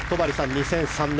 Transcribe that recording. ２００３年